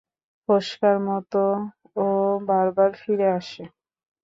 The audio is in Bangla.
ফোস্কার মতো ও বারবার ফিরে আসে!